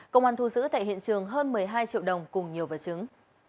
công an thu giữ tại hiện trường hơn một mươi hai triệu đồng cùng nhiều vật chứng